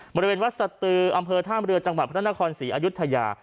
บริเวณวัดสตืออำเภอท่ามเรือจังหวัดพระนครศรีอายุทยา